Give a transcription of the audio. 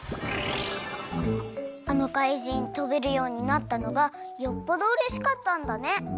あのかいじんとべるようになったのがよっぽどうれしかったんだね。